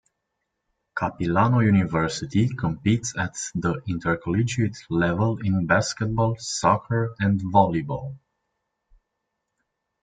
Capilano University competes at the intercollegiate level in basketball, soccer, and volleyball.